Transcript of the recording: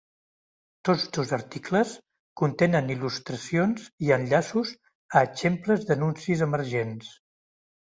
Tots dos articles contenen il·lustracions i enllaços a exemples d'anuncis emergents.